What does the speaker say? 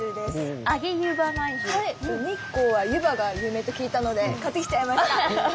日光はゆばが有名と聞いたので買ってきちゃいました。